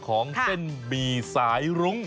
ของเส้นหมี่สายรุ้ง